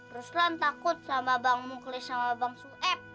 ruslan takut sama abang mukhlis sama abang sueb